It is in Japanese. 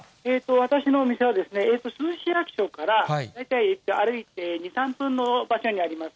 私の店は、珠洲市役所から大体歩いて２、３分の場所にあります。